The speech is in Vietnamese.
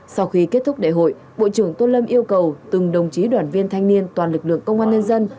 sau khi kết thúc đại hội bộ trưởng tôn lâm yêu cầu từng đồng chí đoàn viên thanh niên toàn lực lượng công an nhân dân